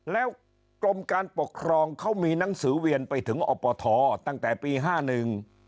แล้วกรมการปกครองเขามีหนังสือเวียนไปถึงอปทตั้งแต่ปีห้าหนึ่ง